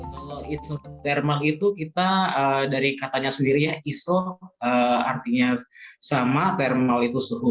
kalau isotermal itu kita dari katanya sendiri ya iso artinya sama thermal itu suhu